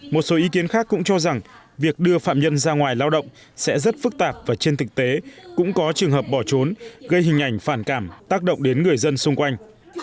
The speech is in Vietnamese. một số ý kiến khác cũng cho rằng việc đưa phạm nhân ra ngoài lao động sẽ rất phức tạp và trên thực tế cũng có trường hợp bỏ trốn gây hình ảnh phản cảm tác động đến người dân xung quanh